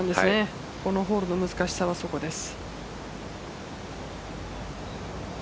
このホールの難しさはそこです。